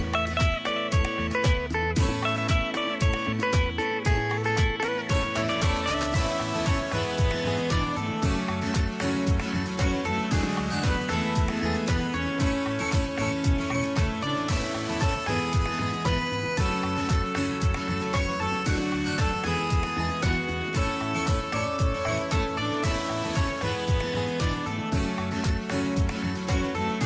โปรดติดตามตอนต่อไป